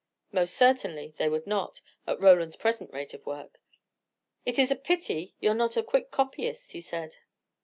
Most certainly they would not, at Roland's present rate of work. "It is a pity you are not a quick copyist," he said.